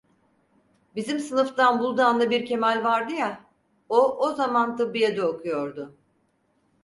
Bizim sınıftan Buldanlı bir Kemal vardı ya, o, o zaman tıbbiyede okuyordu.